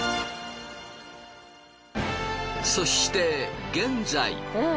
そして現在。